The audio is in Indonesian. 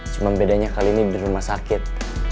cuma bedanya kali ini di rumah sakit